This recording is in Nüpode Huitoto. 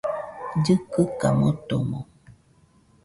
Llɨkɨka motomo